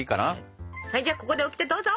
はいじゃあここでオキテどうぞ！